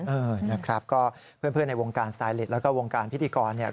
เออนะครับก็เพื่อนในวงการสไตลิตแล้วก็วงการพิธีกรเนี่ย